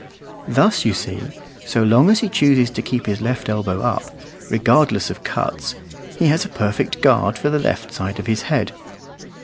Thus you see, so long as he chooses to keep his left elbow up, regardless of cuts, he has a perfect guard for the left side of his head.